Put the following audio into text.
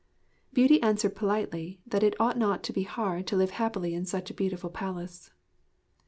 Beauty answered politely that it ought not to be hard to live happily in such a beautiful palace.